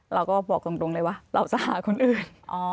เราก็บอกตรงเลยว่าเราจะหาคนอื่น